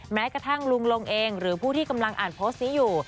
แม้กระทั่งลุงลงเองหรือผู้ที่กำลังอ่านโพสต์นี้อยู่